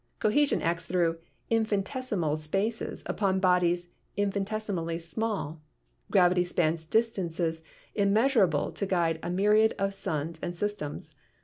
Cohesion acts through infinitesimal spaces upon bodies infinitesimally small ; gravity spans distances im measurable to guide a myriad of suns and systems.